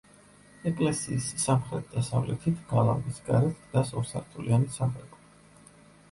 ეკლესიის სამხრეთ-დასავლეთით, გალავნის გარეთ, დგას ორსართულიანი სამრეკლო.